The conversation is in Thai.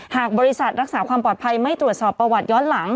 หากบริษัทรักษาความปลอดภัยไม่ตรวจสอบประวัติย้อนหลัง